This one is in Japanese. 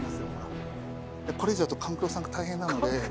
これ以上やると勘九郎さんが大変なので。